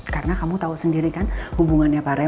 karena kamu tahu sendiri kan hubungannya pak raymond